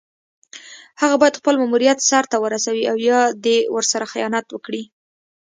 هغه باید خپل ماموریت سر ته ورسوي او یا دې ورسره خیانت وکړي.